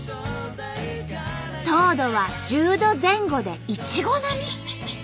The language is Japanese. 糖度は１０度前後でいちご並み！